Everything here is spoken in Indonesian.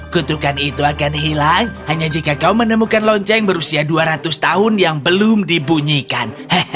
kutukan itu akan hilang hanya jika kau menemukan lonceng berusia dua ratus tahun yang belum dibunyikan